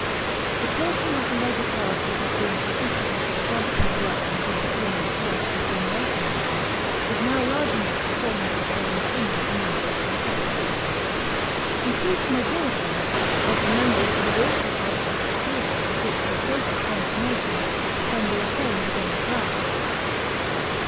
The portion of the leisure class that has been consistently exempt from work and from pecuniary cares for a generation or more is now large enough to form and sustain opinion in matters of taste. Increased mobility of the members has also added to the facility with which a "social confirmation" can be attained within the class.